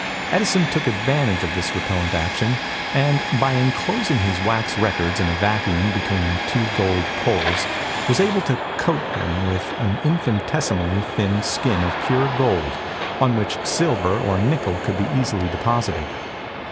Edison took advantage of this repellent action; and by enclosing his wax records in a vacuum between two gold poles was able to coat them with an infinitesimally thin skin of pure gold, on which silver or nickel could be easily deposited.